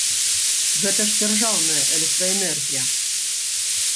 Гэта ж дзяржаўная электраэнергія!